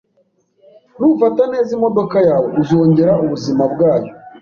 Nufata neza imodoka yawe, uzongera ubuzima bwayo.